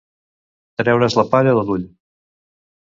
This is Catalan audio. Traure's la palla de l'ull.